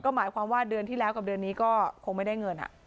หมายความว่าเดือนที่แล้วกับเดือนนี้ก็คงไม่ได้เงิน